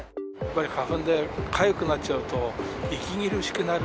花粉でかゆくなっちゃうと、息苦しくなる。